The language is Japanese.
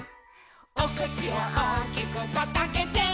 「おくちをおおきくパッとあけて」